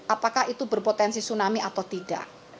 apakah itu berpotensi tsunami atau tidak